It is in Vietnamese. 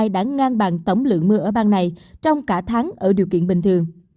đã ngang bằng tổng lượng mưa ở bang này trong cả tháng ở điều kiện bình thường